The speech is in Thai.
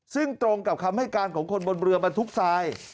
ซึ่งตรงกับคำให้การของคนบนเรือบรรทุกทราย